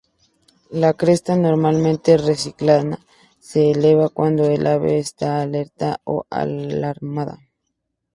La cresta normalmente reclinada se eleva cuando el ave está alerta o alarmada.